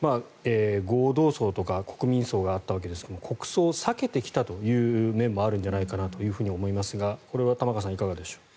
合同葬とか国民葬があったわけですが国葬を避けてきたという面もあるんじゃないかなと思いますがこれは玉川さんいかがでしょう。